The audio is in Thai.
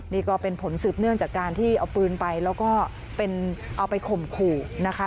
นี่ก็เป็นผลสืบเนื่องจากการที่เอาปืนไปแล้วก็เอาไปข่มขู่นะคะ